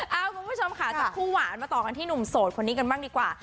เอาคุณผู้ชมค่ะจากคู่หวานมาต่อกันที่หนุ่มโสดคนนี้กันบ้างดีกว่า